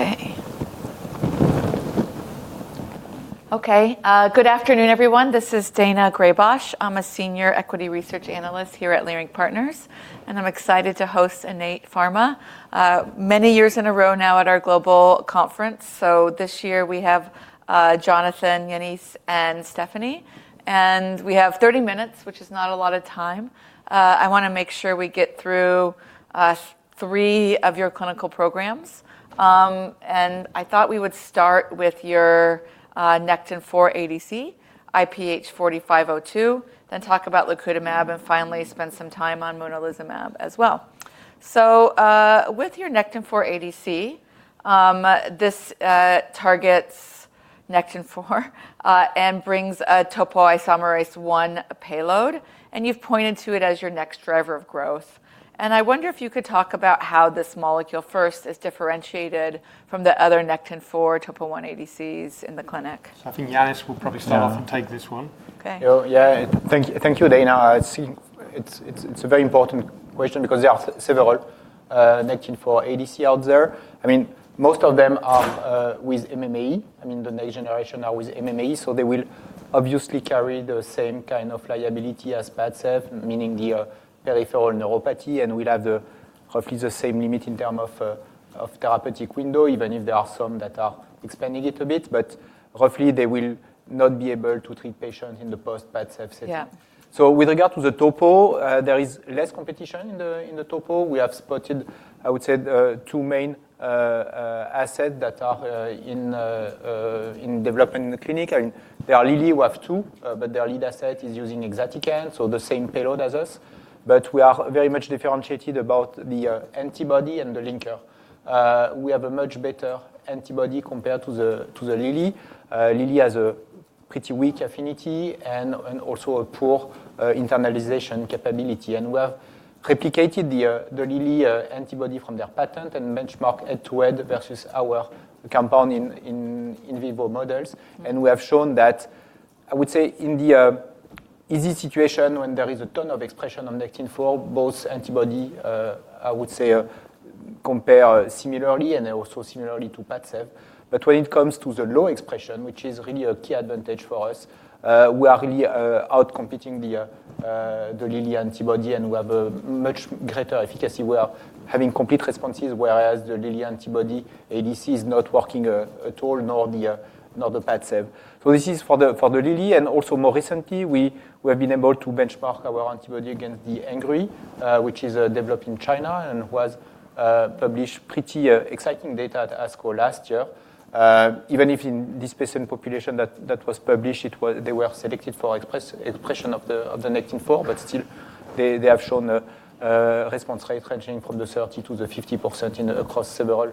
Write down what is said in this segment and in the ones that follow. Okay. Okay, good afternoon, everyone. This is Daina Graybosch. I'm a senior equity research analyst here at Leerink Partners, and I'm excited to host Innate Pharma many years in a row now at our global conference. This year we have Jonathan, Yannis, and Stéphanie. We have 30 minutes, which is not a lot of time. I wanna make sure we get through three of your clinical programs. I thought we would start with your Nectin-4 ADC, IPH4502, then talk about lacutamab, and finally spend some time on Monalizumab as well. With your Nectin-4 ADC, this targets Nectin-4 and brings a topoisomerase I payload, and you've pointed to it as your next driver of growth. I wonder if you could talk about how this molecule first is differentiated from the other Nectin-4 Topo I ADCs in the clinic? I think Yannis will probably start off and take this one. Okay. Thank you. Thank you, Daina. It's a very important question because there are several Nectin-4 ADC out there. I mean, most of them are with MMA. I mean, the next generation are with MMA, so they will obviously carry the same kind of liability as PADCEV, meaning the peripheral neuropathy, and we'll have the, hopefully the same limit in term of therapeutic window, even if there are some that are expanding it a bit, but hopefully they will not be able to treat patients in the post PADCEV setting. Yeah. With regard to the Topo, there is less competition in the Topo. We have spotted, I would say, two main asset that are in development in the clinic. I mean, there are really we have two, but their lead asset is using exatecan, so the same payload as us. We are very much differentiated about the antibody and the linker. We have a much better antibody compared to the Lilly. Lilly has a pretty weak affinity and also a poor internalization capability. We have replicated the Lilly antibody from their patent and benchmark head-to-head versus our compound in vivo models. We have shown that, I would say in the easy situation, when there is a ton of expression on Nectin-4, both antibody, I would say compare similarly and also similarly to PADCEV. When it comes to the low expression, which is really a key advantage for us, we are really outcompeting the Lilly antibody and we have a much greater efficacy. We are having complete responses, whereas the Lilly antibody ADC is not working at all, nor the nor the PADCEV. This is for the for the Lilly. Also more recently, we have been able to benchmark our antibody against the Hengrui, which is developed in China and was published pretty exciting data at ASCO last year. Even if in this patient population that was published, they were selected for expression of the Nectin-4, but still they have shown response rate ranging from 30%-50% in across several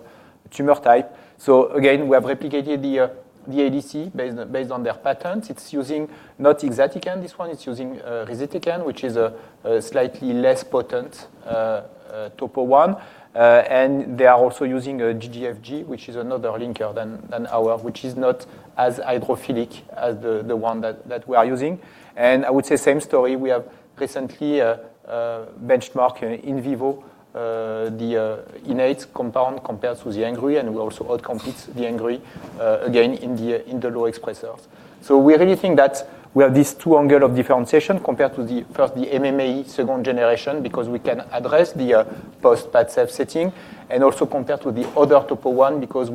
tumor type. Again, we have replicated the ADC based on their patent. It's using not exatecan, this one, it's using risatecan, which is a slightly less potent Topo I. And they are also using a GGFG, which is another linker than our, which is not as hydrophilic as the one that we are using. I would say same story. We have recently benchmarked in vivo the innate compound compared to the Hengrui, and we also out-compete the Hengrui again in the low expressors. We really think that we have this two angle of differentiation compared to the, first, the MMA second generation, because we can address the post PADCEV setting, and also compared to the other Topo I, because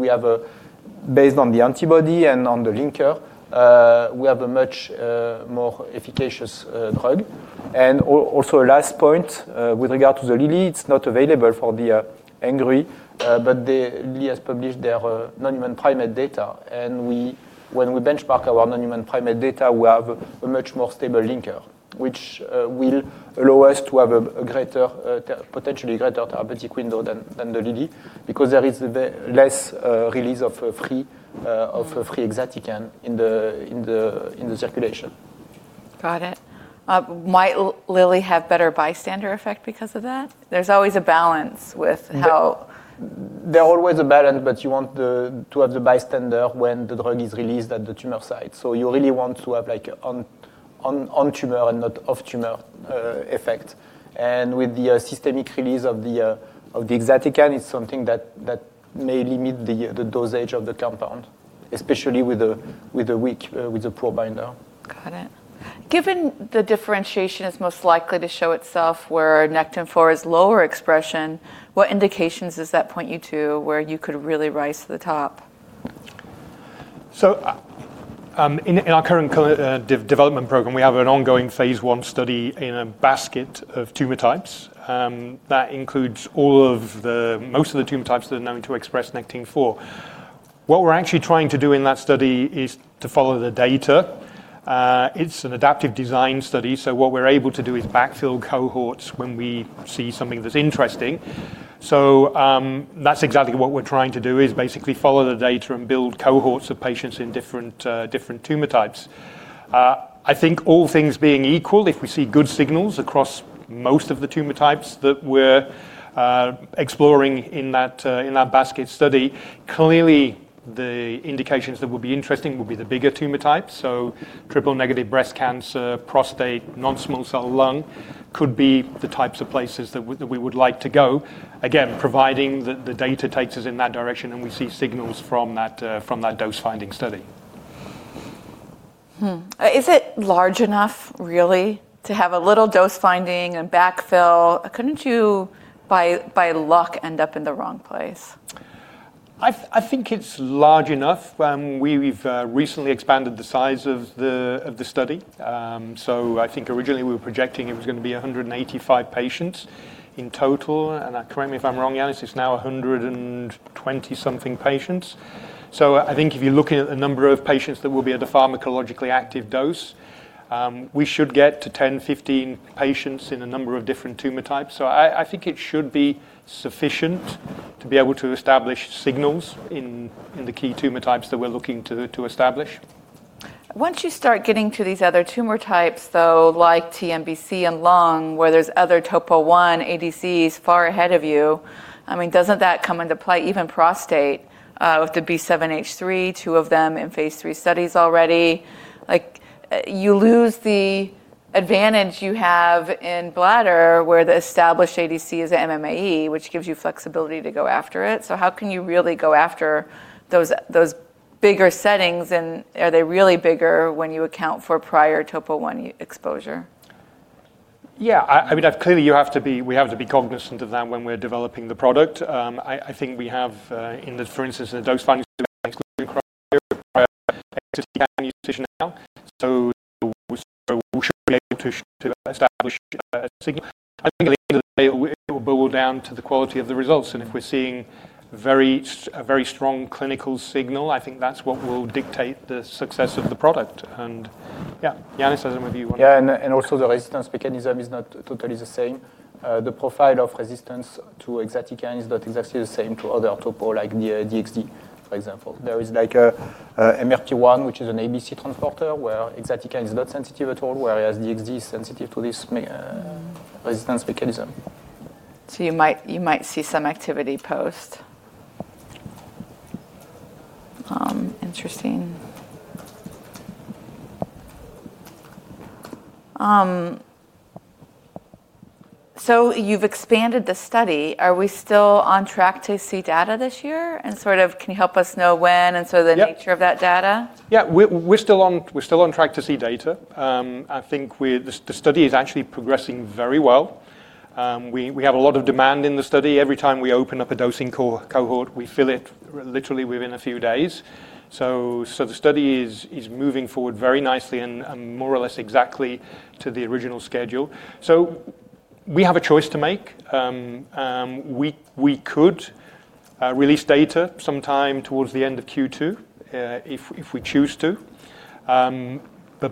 Based on the antibody and on the linker, we have a much more efficacious drug. Also a last point, with regard to the Lilly, it's not available for the Hengrui, but the Lilly has published their non-human primate data, and when we benchmark our non-human primate data, we have a much more stable linker, which will allow us to have a greater, potentially greater therapeutic window than the Lilly, because there is less release of free exatecan in the circulation. Got it. Might Lilly have better bystander effect because of that? There's always a balance with. There's always a balance, but you want to have the bystander when the drug is released at the tumor site. You really want to have like on tumor and not off tumor effect. With the systemic release of the exatecan, it's something that may limit the dosage of the compound, especially with a weak, poor binder. Got it. Given the differentiation is most likely to show itself where Nectin-4 is lower expression, what indications does that point you to where you could really rise to the top? In our current development program, we have an ongoing phase I study in a basket of tumor types that includes most of the tumor types that are known to express Nectin-4. What we're actually trying to do in that study is to follow the data. It's an adaptive design study, what we're able to do is backfill cohorts when we see something that's interesting. That's exactly what we're trying to do is basically follow the data and build cohorts of patients in different tumor types. I think all things being equal, if we see good signals across most of the tumor types that we're exploring in that in that basket study, clearly, the indications that will be interesting will be the bigger tumor types. Triple-negative breast cancer, prostate, non-small cell lung could be the types of places that we would like to go. Again, providing the data takes us in that direction and we see signals from that from that dose-finding study. Is it large enough really to have a little dose finding and backfill? Couldn't you by luck end up in the wrong place? I think it's large enough. We've recently expanded the size of the, of the study. I think originally we were projecting it was gonna be 185 patients in total, and correct me if I'm wrong, Yannis, it's now 120 something patients. I think if you're looking at the number of patients that will be at a pharmacologically active dose, we should get to 10, 15 patients in a number of different tumor types. I think it should be sufficient to be able to establish signals in the key tumor types that we're looking to establish. Once you start getting to these other tumor types, though, like TNBC and lung, where there's other topo I ADCs far ahead of you, I mean, doesn't that come into play? Even prostate, with the B7-H3, two of them in phase III studies already. Like, you lose the advantage you have in bladder, where the established ADC is an MMAE, which gives you flexibility to go after it. How can you really go after those bigger settings, and are they really bigger when you account for prior topo I exposure? Yeah. I mean, clearly, we have to be cognizant of that when we're developing the product. I think we have in the, for instance, the dose finding study prior exatecan usage now. We should be able to establish a signal. I think at the end of the day, it will boil down to the quality of the results, and if we're seeing a very strong clinical signal, I think that's what will dictate the success of the product. Yeah. Yannis doesn't agree with me. Yeah. Also the resistance mechanism is not totally the same. The profile of resistance to exatecan is not exactly the same to other Topo I like the DXD, for example. There is like a MRP1, which is an ABC transporter, where exatecan is not sensitive at all, whereas DXD is sensitive to this resistance mechanism. You might see some activity post. Interesting. You've expanded the study. Are we still on track to see data this year? Sort of can you help us know when and so the-. Yep nature of that data? Yeah. We're still on track to see data. I think the study is actually progressing very well. We have a lot of demand in the study. Every time we open up a dosing cohort, we fill it literally within a few days. The study is moving forward very nicely and more or less exactly to the original schedule. We have a choice to make. We could release data sometime towards the end of Q2, if we choose to.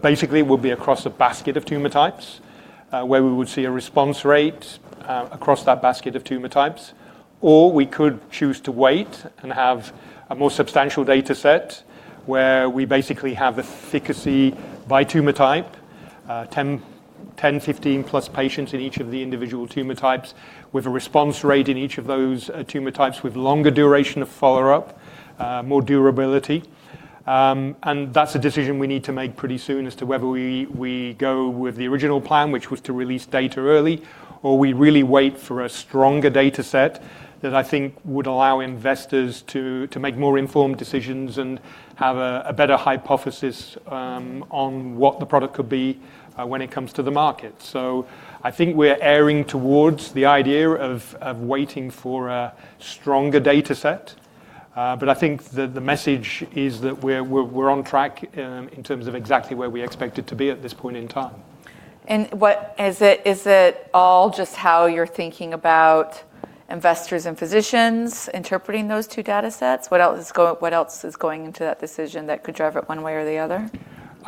Basically, it would be across a basket of tumor types, where we would see a response rate across that basket of tumor types. We could choose to wait and have a more substantial data set where we basically have efficacy by tumor type, 10, 15+ patients in each of the individual tumor types with a response rate in each of those tumor types with longer duration of follow-up, more durability. That's a decision we need to make pretty soon as to whether we go with the original plan, which was to release data early, or we really wait for a stronger data set that I think would allow investors to make more informed decisions and have a better hypothesis on what the product could be when it comes to the market. I think we're erring towards the idea of waiting for a stronger data set. I think the message is that we're on track in terms of exactly where we expect it to be at this point in time. Is it all just how you're thinking about investors and physicians interpreting those two data sets? What else is going into that decision that could drive it one way or the other?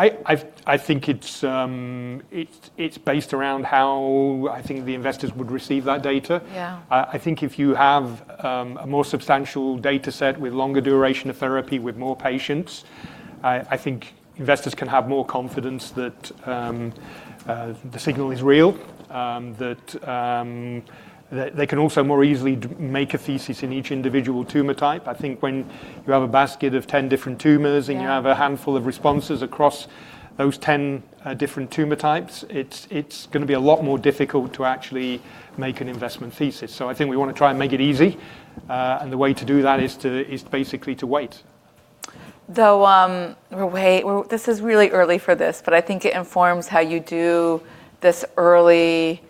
I think it's based around how I think the investors would receive that data. Yeah. I think if you have a more substantial data set with longer duration of therapy with more patients, I think investors can have more confidence that the signal is real, that they can also more easily make a thesis in each individual tumor type. I think when you have a basket of 10 different tumors. Yeah... you have a handful of responses across those 10 different tumor types, it's gonna be a lot more difficult to actually make an investment thesis. I think we wanna try and make it easy, and the way to do that is basically to wait. This is really early for this, but I think it informs how you do this early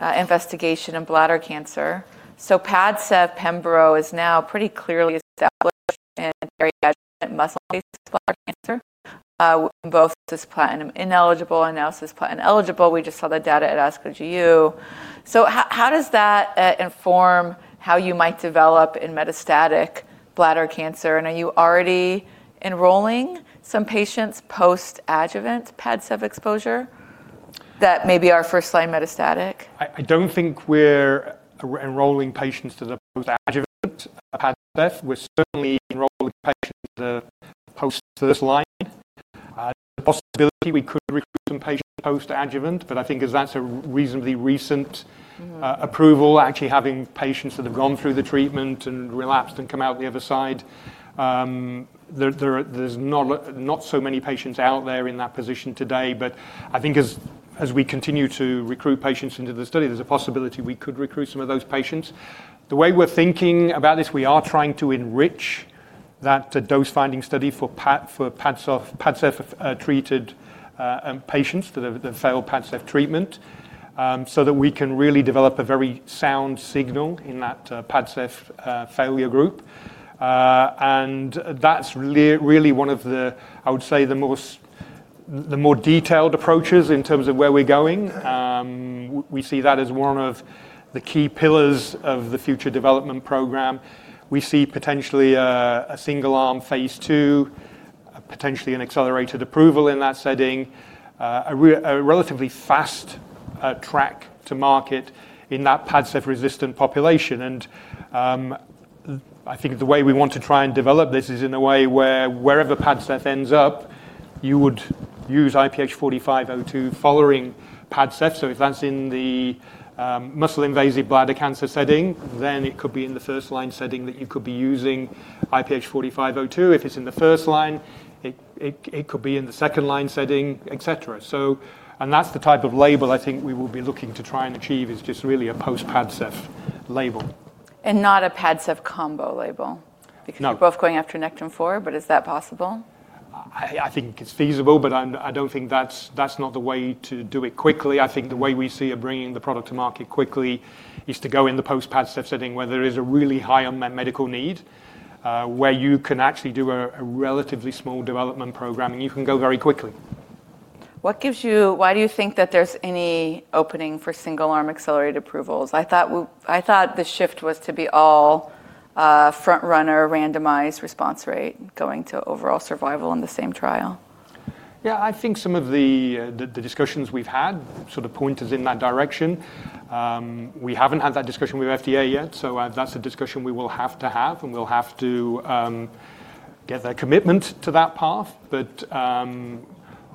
investigation in bladder cancer. PADCEV pembrolizumab is now pretty clearly established in very adjuvant muscle-invasive bladder cancer, both cisplatin-ineligible and cisplatin-eligible. We just saw the data at ASCO-GU. How does that inform how you might develop in metastatic bladder cancer? Are you already enrolling some patients post-adjuvant PADCEV exposure that may be our first-line metastatic? I don't think we're enrolling patients as a post-adjuvant PADCEV. We're certainly enrolling patients post first-line. The possibility we could recruit some patients post-adjuvant, but I think as that's a reasonably recent approval, actually having patients that have gone through the treatment and relapsed and come out the other side, there's not so many patients out there in that position today. I think as we continue to recruit patients into the study, there's a possibility we could recruit some of those patients. The way we're thinking about this, we are trying to enrich that dose-finding study for PADCEV treated patients that failed PADCEV treatment, so that we can really develop a very sound signal in that PADCEV failure group. That's really one of the, I would say, the more detailed approaches in terms of where we're going. We see that as one of the key pillars of the future development program. We see potentially a single-arm phase II, potentially an accelerated approval in that setting, a relatively fast track to market in that PADCEV-resistant population. I think the way we want to try and develop this is in a way where wherever PADCEV ends up, you would use IPH4502 following PADCEV. If that's in the muscle-invasive bladder cancer setting, then it could be in the first line setting that you could be using IPH4502. If it's in the first line, it could be in the second line setting, et cetera. That's the type of label I think we will be looking to try and achieve is just really a post-PADCEV label. Not a PADCEV combo label? No. You're both going after Nectin-4, but is that possible? I think it's feasible, but I don't think that's not the way to do it quickly. I think the way we see of bringing the product to market quickly is to go in the post-PADCEV setting where there is a really high unmet medical need, where you can actually do a relatively small development program, and you can go very quickly. Why do you think that there's any opening for single-arm accelerated approvals? I thought the shift was to be all front-runner randomized response rate going to Overall Survival in the same trial. Yeah. I think some of the discussions we've had sort of point us in that direction. We haven't had that discussion with FDA yet, that's a discussion we will have to have, and we'll have to get their commitment to that path.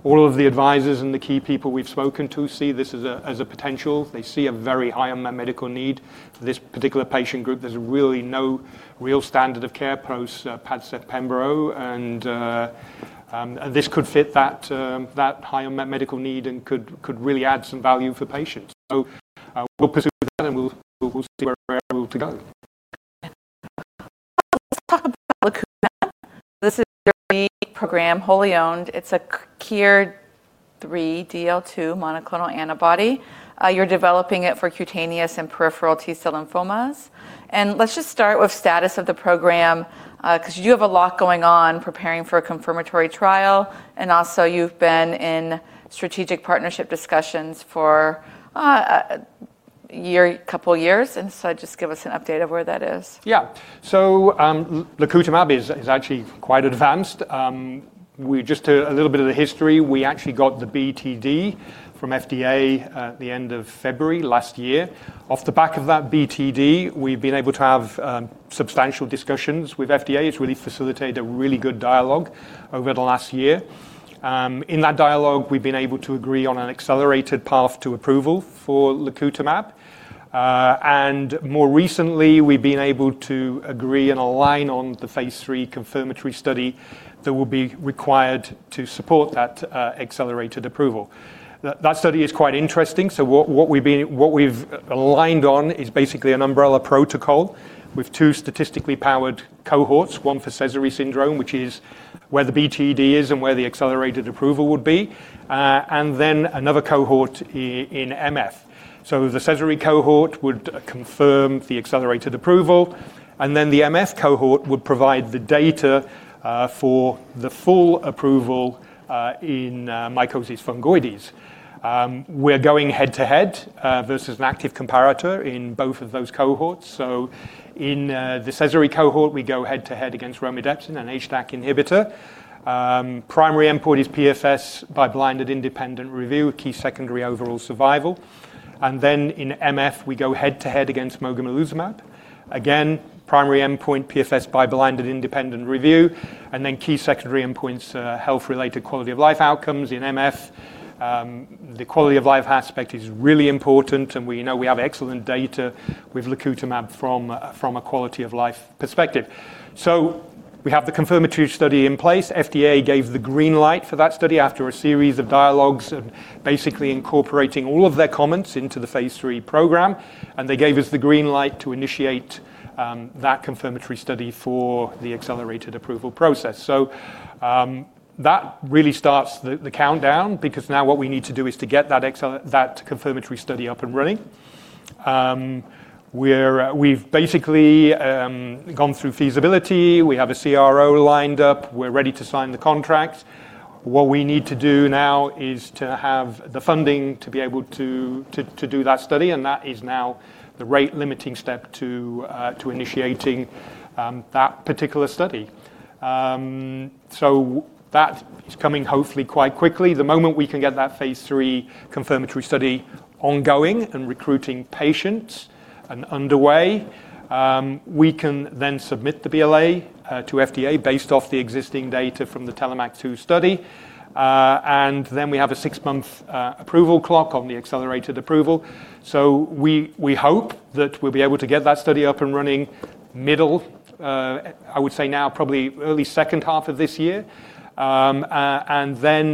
All of the advisors and the key people we've spoken to see this as a potential. They see a very high unmet medical need for this particular patient group. There's really no real standard of care post PADCEV pembrolizumab, and this could fit that high unmet medical need and could really add some value for patients. We'll pursue that and we'll see where we're able to go. Let's talk about lacutamab. This is your lead program, wholly owned. It's a KIR3DL2 monoclonal antibody. You're developing it for cutaneous and peripheral T-cell lymphomas. Let's just start with status of the program, 'cause you have a lot going on preparing for a confirmatory trial. Also you've been in strategic partnership discussions for a year, a couple years. Just give us an update of where that is. lacutamab is actually quite advanced. We just took a little bit of the history. We actually got the BTD from FDA at the end of February last year. Off the back of that BTD, we've been able to have substantial discussions with FDA to really facilitate a really good dialogue over the last year. In that dialogue, we've been able to agree on an accelerated path to approval for lacutamab. More recently, we've been able to agree and align on the phase III confirmatory study that will be required to support that accelerated approval. That study is quite interesting, what we've aligned on is basically an umbrella protocol with two statistically powered cohorts, one for Sézary syndrome, which is where the BTD is and where the accelerated approval would be, and then another cohort in MF. The Sézary cohort would confirm the accelerated approval, and then the MF cohort would provide the data for the full approval in mycosis fungoides. We're going head-to-head versus an active comparator in both of those cohorts. In the Sézary cohort, we go head-to-head against romidepsin, an HDAC inhibitor. Primary endpoint is PFS by blinded independent review, a key secondary Overall Survival. In MF, we go head-to-head against mogamulizumab. Again, primary endpoint, PFS by blinded independent review, and then key secondary endpoints, health-related quality of life outcomes in MF. The quality-of-life aspect is really important, and we know we have excellent data with lacutamab from a quality-of-life perspective. We have the confirmatory study in place. FDA gave the green light for that study after a series of dialogues and basically incorporating all of their comments into the phase III program. They gave us the green light to initiate that confirmatory study for the accelerated approval process. That really starts the countdown because now what we need to do is to get that confirmatory study up and running. We've basically gone through feasibility. We have a CRO lined up. We're ready to sign the contract. What we need to do now is to have the funding to be able to do that study, and that is now the rate-limiting step to initiating that particular study. That is coming hopefully quite quickly. The moment we can get that phase III confirmatory study ongoing and recruiting patients and underway, we can then submit the BLA to FDA based off the existing data from the TELLOMAK-2 study. We have a six-month approval clock on the accelerated approval. We hope that we'll be able to get that study up and running middle, I would say now probably early second half of this year.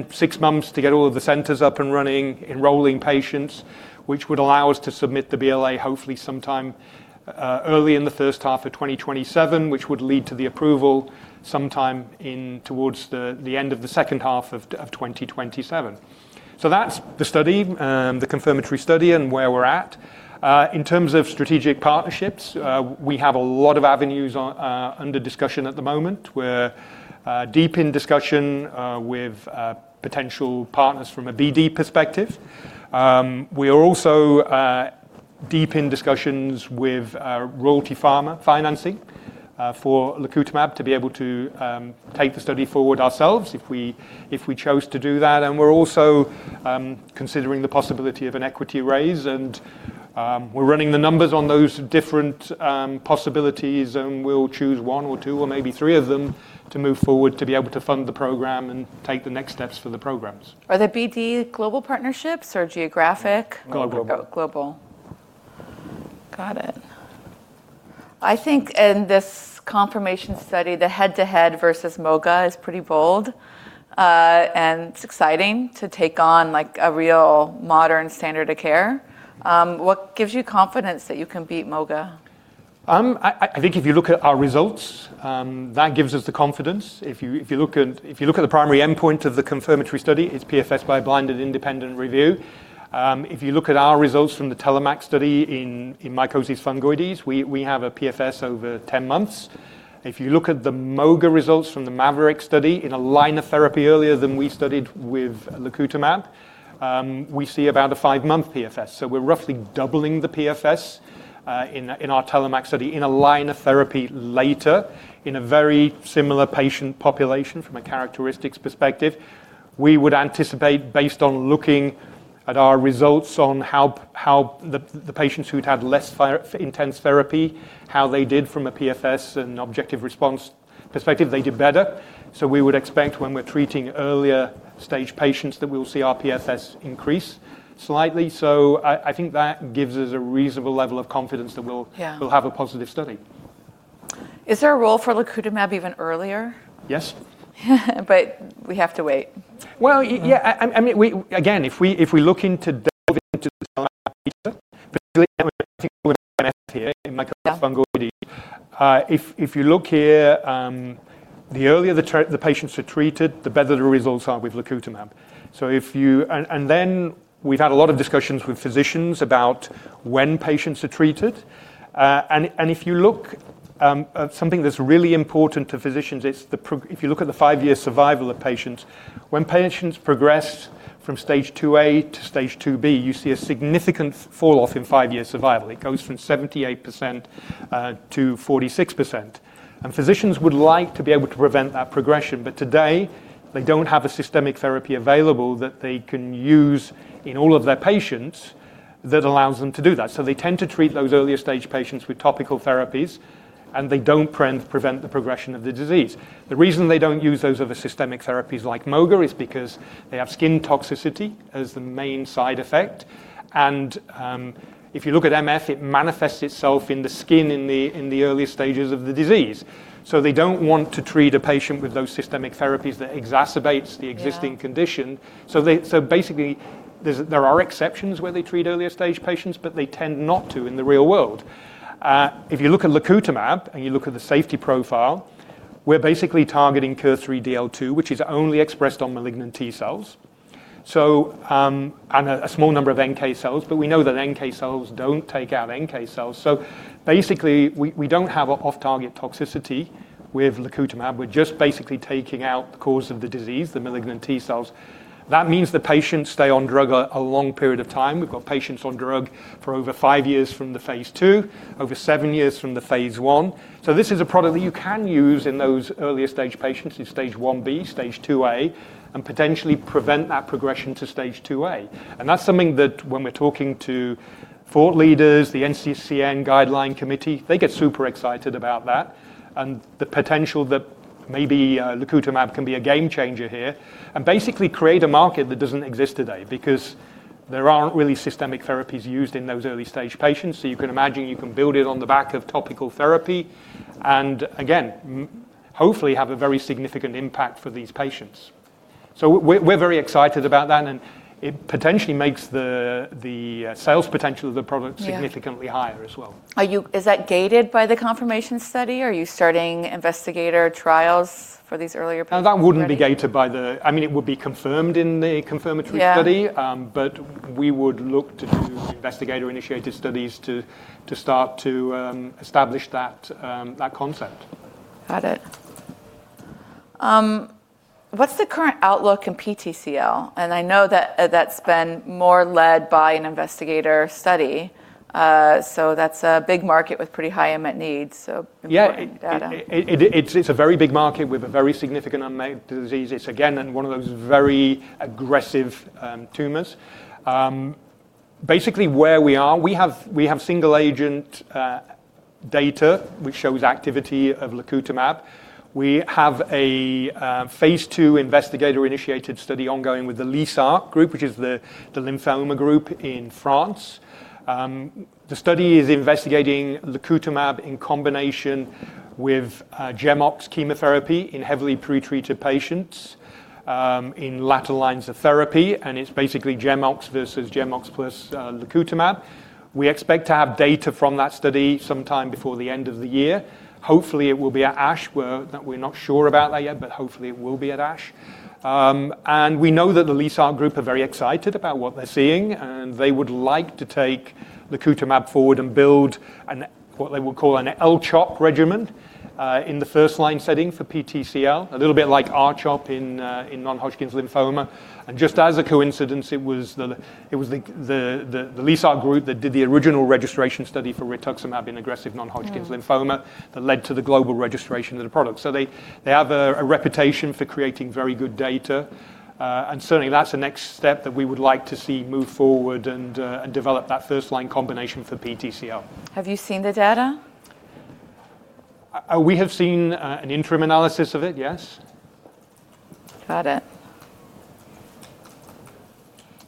six months to get all of the centers up and running, enrolling patients, which would allow us to submit the BLA hopefully sometime early in the first half of 2027, which would lead to the approval sometime in towards the end of the second half of 2027. That's the study, the confirmatory study and where we're at. In terms of strategic partnerships, we have a lot of avenues on under discussion at the moment. We're deep in discussion with potential partners from a BD perspective. We are also deep in discussions with Royalty Pharma financing for lacutamab to be able to take the study forward ourselves if we chose to do that. We're also considering the possibility of an equity raise, and we're running the numbers on those different possibilities, and we'll choose one or two or maybe three of them to move forward to be able to fund the program and take the next steps for the programs. Are the BD global partnerships or geographic? No, global. Global. Got it. I think in this confirmation study, the head-to-head versus MOGA is pretty bold, and it's exciting to take on like a real modern standard of care. What gives you confidence that you can beat MOGA? I think if you look at our results, that gives us the confidence. If you look at the primary endpoint of the confirmatory study, it's PFS by blinded independent review. If you look at our results from the TELLOMAK study in mycosis fungoides, we have a PFS over 10 months. If you look at the MOGA results from the MAVORIC study in a line of therapy earlier than we studied with lacutamab, we see about a five-month PFS. We're roughly doubling the PFS in our TELLOMAK study in a line of therapy later in a very similar patient population from a characteristics perspective. We would anticipate based on looking at our results on how the patients who'd had less intense therapy, how they did from a PFS and objective response perspective, they did better. We would expect when we're treating earlier stage patients that we'll see our PFS increase slightly. I think that gives us a reasonable level of confidence that we'll. Yeah we'll have a positive study. Is there a role for lacutamab even earlier? Yes. We have to wait. Well, yeah. I mean, again, if we, if we look into delving into the lab data, particularly MF here in mycosis fungoides. If you look here, the earlier the patients are treated, the better the results are with lacutamab. So if you... And then we've had a lot of discussions with physicians about when patients are treated. And if you look at something that's really important to physicians, it's if you look at the five-year survival of patients, when patients progress from stage two A to stage two B, you see a significant fall off in five-year survival. It goes from 78% to 46%. Physicians would like to be able to prevent that progression. Today, they don't have a systemic therapy available that they can use in all of their patients that allows them to do that. They tend to treat those earlier stage patients with topical therapies, and they don't prevent the progression of the disease. The reason they don't use those other systemic therapies like MOGA is because they have skin toxicity as the main side effect. If you look at MF, it manifests itself in the skin in the early stages of the disease. They don't want to treat a patient with those systemic therapies that exacerbates the existing condition. Yeah. Basically, there are exceptions where there are exceptions where they treat earlier stage patients, but they tend not to in the real world. If you look at lacutamab and you look at the safety profile, we're basically targeting KIR3DL2, which is only expressed on malignant T-cells. and a small number of NK cells, but we know that NK cells don't take out NK cells. Basically, we don't have off-target toxicity with lacutamab. We're just basically taking out the cause of the disease, the malignant T-cells. That means the patients stay on drug a long period of time. We've got patients on drug for over five years from the phase II, over seven years from the phase I. This is a product that you can use in those earlier stage patients in stage 1B, stage 2A, and potentially prevent that progression to stage 2A. That's something that when we're talking to thought leaders, the NCCN guideline committee, they get super excited about that and the potential that maybe lacutamab can be a game changer here and basically create a market that doesn't exist today because there aren't really systemic therapies used in those early stage patients. You can imagine you can build it on the back of topical therapy and again, hopefully have a very significant impact for these patients. We're very excited about that, and it potentially makes the sales potential of the product. Yeah ...significantly higher as well. Is that gated by the confirmation study? Are you starting investigator trials for these earlier patients? No, that wouldn't be gated by the, I mean, it would be confirmed in the confirmatory study. Yeah. We would look to do investigator-initiated studies to start to establish that concept. Got it. What's the current outlook in PTCL? I know that's been more led by an investigator study. That's a big market with pretty high unmet needs, important data. Yeah. It's a very big market with a very significant unmet disease. It's again, and one of those very aggressive tumors. Basically where we are, we have single agent data which shows activity of lacutamab. We have a phase II investigator-initiated study ongoing with the LYSA group, which is the lymphoma group in France. The study is investigating lacutamab in combination with GemOx chemotherapy in heavily pre-treated patients in latter lines of therapy, and it's basically GemOx versus GemOx plus lacutamab. We expect to have data from that study sometime before the end of the year. Hopefully, it will be at ASH. We're not sure about that yet, but hopefully it will be at ASH. We know that the LYSA group are very excited about what they're seeing, and they would like to take lacutamab forward and build what they would call an L-CHOP regimen in the first line setting for PTCL. A little bit like R-CHOP in non-Hodgkin's lymphoma. Just as a coincidence, it was the LYSA group that did the original registration study for rituximab in aggressive non-Hodgkin's lymphoma. Mm. that led to the global registration of the product. They have a reputation for creating very good data. Certainly that's the next step that we would like to see move forward and develop that first line combination for PTCL. Have you seen the data? We have seen an interim analysis of it, yes. Got it.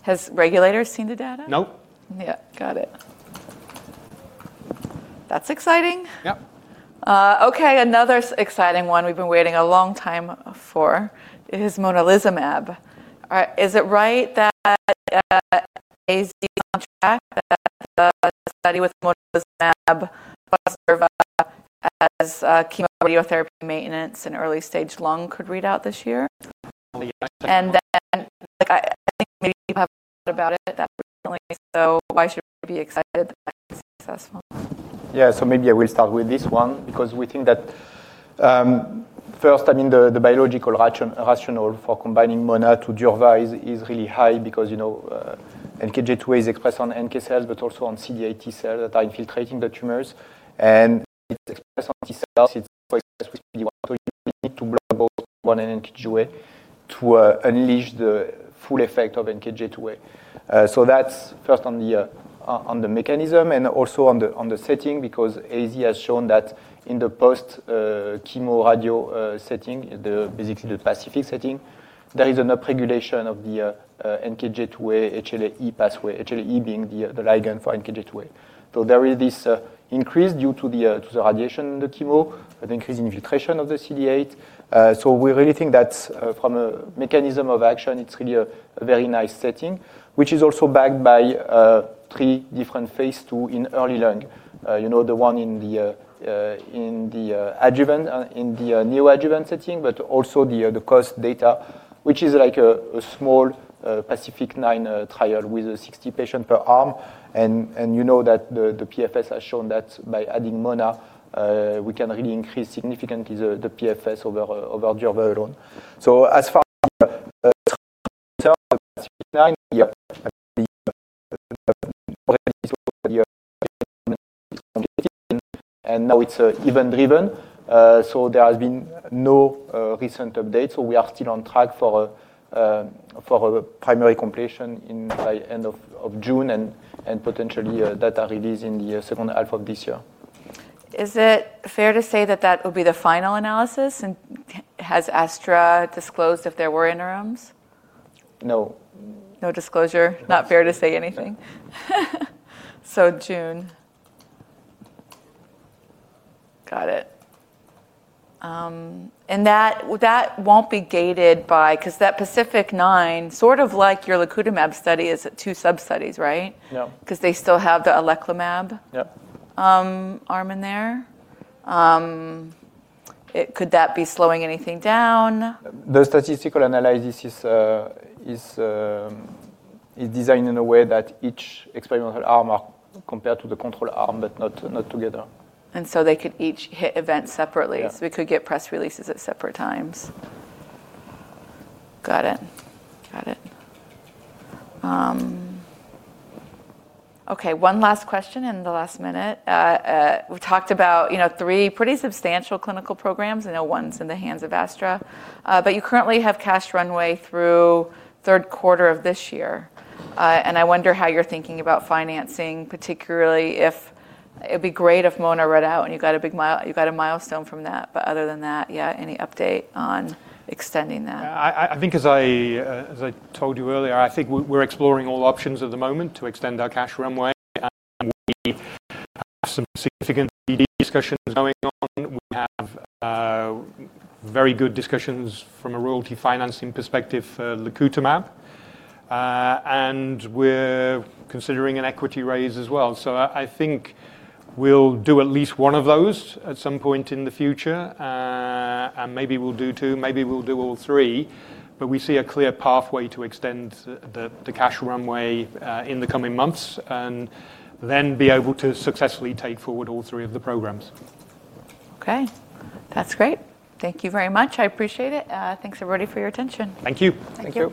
Has regulators seen the data? Nope. Yeah. Got it. That's exciting. Yep. Okay, another exciting one we've been waiting a long time for is Monalizumab. Is it right that AstraZeneca contract that the study with Monalizumab plus Cetuximab as chemotherapy maintenance in early stage lung could read out this year? Yeah. Like, I think maybe you have thought about it definitely. Why should we be excited that that is successful? Yeah. Maybe I will start with this one because we think that, first, I mean, the biological rationale for combining Mona to durva is really high because, you know, NKG2A is expressed on NK cells, but also on CD8 T cells that are infiltrating the tumors. It's expressed on T cells, it's expressed with CD1, so you really need to block both one and NKG2A to unleash the full effect of NKG2A. That's first on the mechanism and also on the setting because AZ has shown that in the post chemo/radio setting, basically the PACIFIC setting, there is an upregulation of the NKG2A HLA-E pathway. HLA-E being the ligand for NKG2A. There is this increase due to the to the radiation in the chemo with increase in infiltration of the CD8. We really think that's from a mechanism of action, it's really a very nice setting, which is also backed by three different phase II in early lung. You know, the one in the in the adjuvant in the neoadjuvant setting, but also the COAST data, which is like a small PACIFIC-9 trial with a 60 patient per arm. You know that the PFS has shown that by adding Mona, we can really increase significantly the PFS over over durvalumab. Now it's event-driven. There has been no recent update, so we are still on track for our primary completion in by end of June and potentially, data release in the second half of this year. Is it fair to say that that will be the final analysis? Has Astra disclosed if there were interims? No. No disclosure? No. Not fair to say anything? June. Got it. That, that won't be gated by... 'cause that PACIFIC-9, sort of like your lacutamab study, is two sub-studies, right? Yeah. Cause they still have the Oleclumab. Yep arm in there. Could that be slowing anything down? The statistical analysis is designed in a way that each experimental arm are compared to the control arm, but not together. They could each hit events separately. Yeah We could get press releases at separate times. Got it. Got it. Okay, one last question in the last minute. We talked about, you know, three pretty substantial clinical programs. I know 1's in the hands of AstraZeneca. You currently have cash runway through third quarter of this year. I wonder how you're thinking about financing, particularly if it'd be great if Mona read out and you got a big milestone from that. Other than that, yeah, any update on extending that? I think as I told you earlier, I think we're exploring all options at the moment to extend our cash runway, and we have some significant CD discussions going on. We have very good discussions from a royalty financing perspective for lacutamab. We're considering an equity raise as well. I think we'll do at least one of those at some point in the future. Maybe we'll do two, maybe we'll do all three. We see a clear pathway to extend the cash runway in the coming months and then be able to successfully take forward all three of the programs. Okay. That's great. Thank you very much. I appreciate it. Thanks everybody for your attention. Thank you. Thank you.